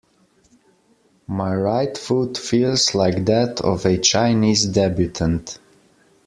My right foot feels like that of a Chinese debutante.